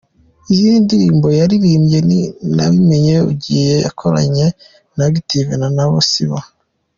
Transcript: Izindi ndirimbo yaririmbye ni ‘Nabimenye ugiye’ yakoranye na Active na ‘Nabo Sibo’.